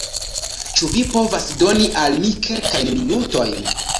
Ĉu vi povas doni al mi kelkajn minutojn?